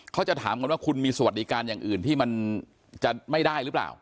เขาจะถามกันว่าคุณมีสวัสดิการอย่างอื่นที่มันจะไม่ได้หรือเปล่า